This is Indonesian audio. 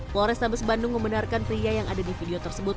polres tabes bandung membenarkan pria yang ada di video tersebut